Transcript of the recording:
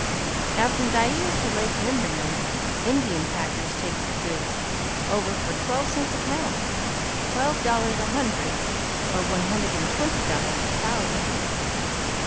Now from Dyea to Lake Linderman, Indian packers take your goods over for twelve cents a pound, twelve dollars a hundred, or one hundred and twenty dollars a thousand.